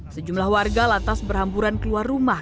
sejumlah warga lantas berhamburan keluar rumah